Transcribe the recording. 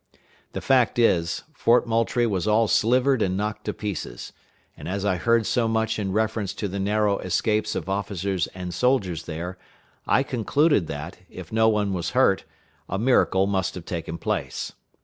The fact is, Fort Moultrie was all slivered and knocked to pieces; and as I heard so much in reference to the narrow escapes of officers and soldiers there, I concluded that, if no one was hurt, a miracle must have taken place.